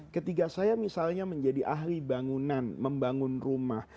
ketika saya misalnya menjadi ahli bangunan membangun rumah